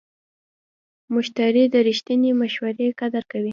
مشتری د رښتینې مشورې قدر کوي.